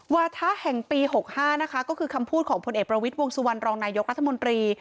วาทะแห่งปี๖๕นะคะก็คือคำพูดของพลเอกประวิทย์วงสุวรรณรองนายกรัฐมนตรี